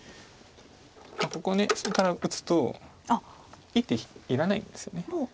ここで下から打つと１手いらないんですよね。